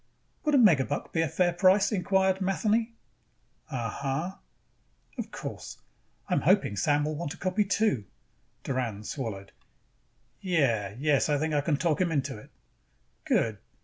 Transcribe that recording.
"Would a megabuck be a fair price?" inquired Matheny. "Uh ... huh." "Of course, I am hoping Sam will want a copy too." Doran swallowed. "Yeah. Yes, I think I can talk him into it." "Good."